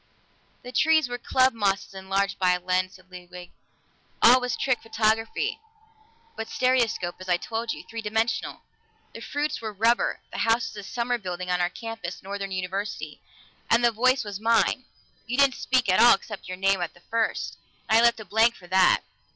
"The trees were club mosses enlarged by a lens," said Ludwig. "All was trick photography, but stereoscopic, as I told you three dimensional. The fruits were rubber; the house is a summer building on our campus Northern University. And the voice was mine; you didn't speak at all, except your name at the first, and I left a blank for that.